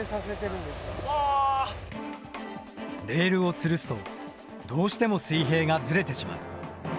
レールをつるすとどうしても水平がずれてしまう。